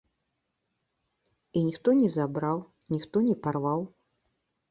І ніхто не забраў, ніхто не парваў.